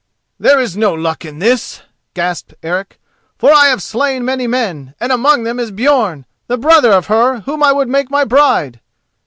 "There is no luck in this," gasped Eric; "for I have slain many men, and among them is Björn, the brother of her whom I would make my bride."